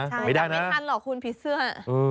จับไม่ทันหรอกคุณผีเสื้อ